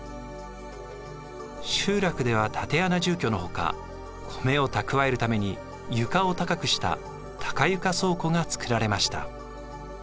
集落では竪穴住居のほか米を蓄えるために床を高くした高床倉庫が造られました。